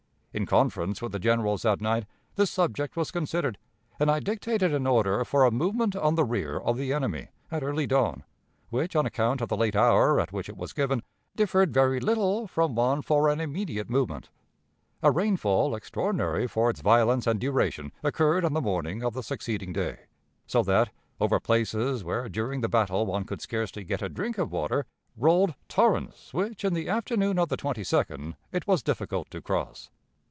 In conference with the generals that night, this subject was considered, and I dictated an order for a movement on the rear of the enemy at early dawn, which, on account of the late hour at which it was given, differed very little from one for an immediate movement. A rainfall, extraordinary for its violence and duration, occurred on the morning of the succeeding day, so that, over places where during the battle one could scarcely get a drink of water, rolled torrents which, in the afternoon of the 22d, it was difficult to cross.